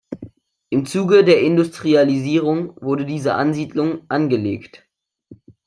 Im Zuge der Industrialisierung wurde diese Ansiedlung angelegt.